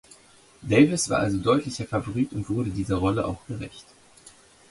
Davis war also deutlicher Favorit und wurde dieser Rolle auch gerecht.